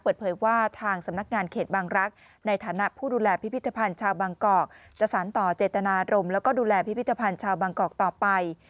เปิดเผยว่าทางสำนักงานเขตบางรักษ์ในฐานะผู้ดูแลพิพิธภัณฑ์ชาวบางกอกจะสารต่อเจตนารมณ์แล้วก็ดูแลพิพิธภัณฑ์ชาวบางกอกต่อไป